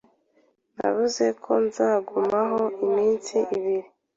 Navuze ko nzagumaho iminsi ibiri.